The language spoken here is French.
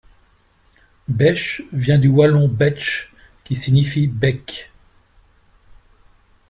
Bêche vient du wallon bètche qui signifie bec.